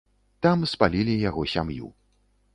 Там спалілі яго сям'ю.